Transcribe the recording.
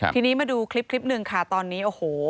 ทีนี้มาดูคลิปคลิปหนึ่งค่ะตอนนี้โอ้โห